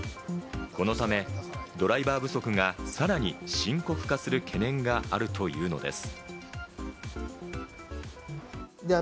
このためドライバー不足がさらに深刻化する懸念があるというのです。